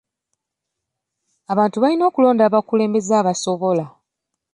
Abantu balina okulonda abakulembeze abasobola.